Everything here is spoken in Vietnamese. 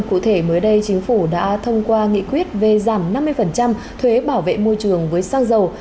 cụ thể mới đây chính phủ đã thông qua nghị quyết về giảm năm mươi thuế bảo vệ môi trường với xăng dầu